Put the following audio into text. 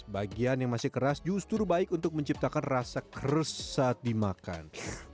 bagian yang masih keras justru baik untuk menciptakan rasa kres saat dimakan